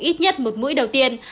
ít nhất một mũi đầu tiên